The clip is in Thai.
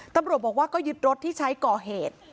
ตำรวจบอกว่าก็ยึดรถที่ใช้ก่อเหตุ